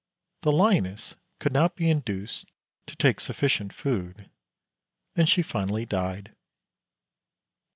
The lioness could not be induced to take sufficient food, and she finally died.